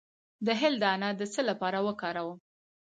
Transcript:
د هل دانه د څه لپاره وکاروم؟